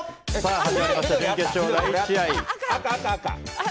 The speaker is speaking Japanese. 始まりました、準決勝第１試合。